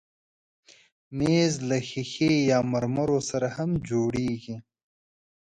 مېز له ښیښې یا مرمرو سره هم جوړېږي.